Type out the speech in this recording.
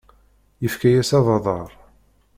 Yefka-yas abadaṛ.